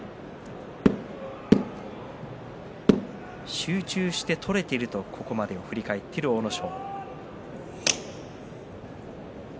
集中して取れているとここまでを振り返っている阿武咲。